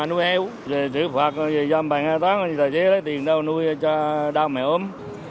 rồi xử phạt rồi dâm bằng tài xế lấy tiền đâu nuôi cho đau mẹ ốm